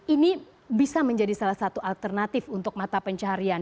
ini bisa menjadi salah satu alternatif untuk mata pencarian